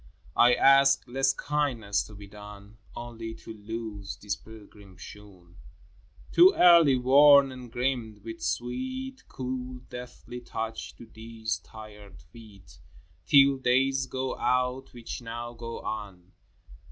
I ask less kindness to be done, — Only to loose these pilgrim shoon, (Too early worn and grimed) with sweet Cool deathly touch to these tired feet, Till days go out which now go on.